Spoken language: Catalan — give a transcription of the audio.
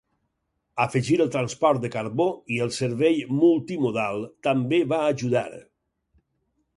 Afegir el transport de carbó i el servei multimodal també va ajudar.